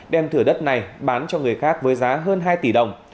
đem thửa đất này bán cho người khác với giá hơn hai tỷ đồng